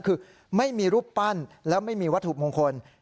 คือไม่มีรูปปั้นแล้วไม่มีวัตถุมงคล